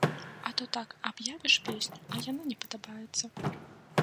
А то так аб'явіш песню, а яна не падабаецца.